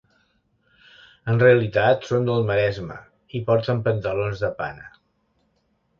En realitat són del Maresme i porten pantalons de pana.